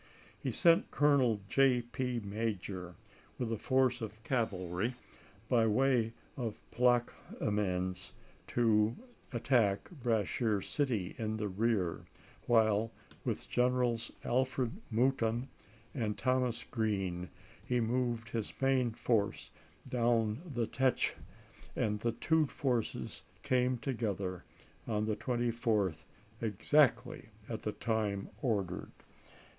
He sent Colonel J. P. Major, with a force of cavalry, by way of Plaquemines, to attack Brashear City in the rear, while, with Generals Alfred Mouton and Thomas Green, he moved his main force down the Teche, and the two forces came together on the 24th, exactly at June, i863. the time ordered.